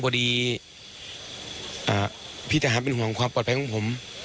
พอดีพี่ทหารเป็นห่วงความปลอดภัยของผม